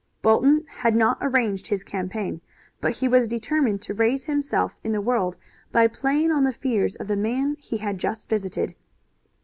Bolton had not arranged his campaign, but he was determined to raise himself in the world by playing on the fears of the man he had just visited.